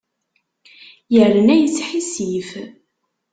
Yerna yesḥissif.